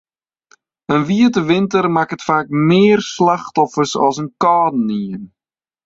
In wiete winter makket faak mear slachtoffers as in kâldenien.